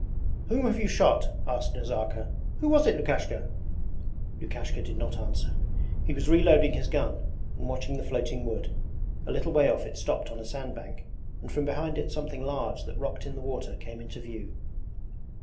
'Whom have you shot?' asked Nazarka. 'Who was it, Lukashka?' Lukashka did not answer. He was reloading his gun and watching the floating wood. A little way off it stopped on a sand bank, and from behind it something large that rocked in the water came into view.